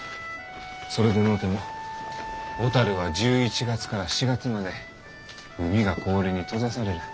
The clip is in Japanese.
それでのうても小樽は１１月から４月まで海が氷に閉ざされる。